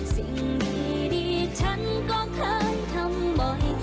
สิ่งดีฉันก็เคยทำบ่อย